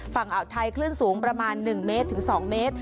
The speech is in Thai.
ฝั่งอาวุธไทยคลื่นสูงประมาณ๑๒เมตร